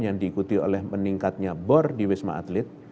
yang diikuti oleh meningkatnya bor di wisma atlet